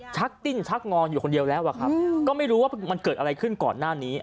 ติ้นชักงออยู่คนเดียวแล้วอะครับก็ไม่รู้ว่ามันเกิดอะไรขึ้นก่อนหน้านี้